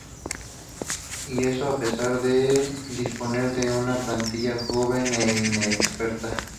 Y eso a pesar de disponer de una plantilla joven e inexperta.